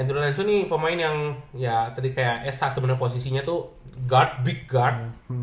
andrew lansun ini pemain yang tadi kayak sa sebenernya posisinya tuh guard big guard